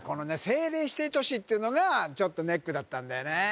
政令指定都市っていうのがちょっとネックだったんだよね